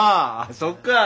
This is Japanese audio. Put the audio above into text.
そっか。